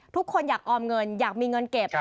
ทุกคนอยากออมเงินอยากมีเงินเก็บ